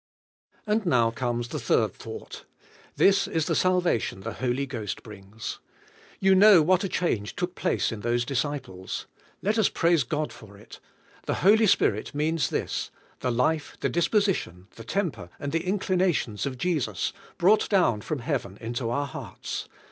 And now comes the third thought, — This is the salvation the Holy Ghost brings. You know what a change took place io those disciples. Let us praise God for it; the Holy Spirit means this: the life, the disposition, the temper, and the incli nations of Jesus, brought down from heaven into our hearts.